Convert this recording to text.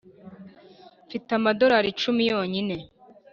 mfite amadorari icumi yonyine.